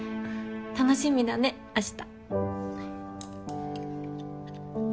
楽しみだね明日。